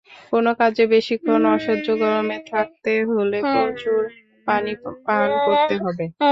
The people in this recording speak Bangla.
কোনো কাজে বেশিক্ষণ অসহ্য গরমে থাকতে হলে প্রচুর পানি পান করতে হবে।